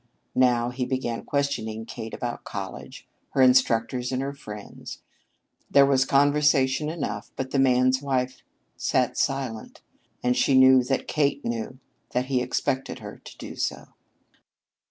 Now he began questioning Kate about college, her instructors and her friends. There was conversation enough, but the man's wife sat silent, and she knew that Kate knew that he expected her to do so.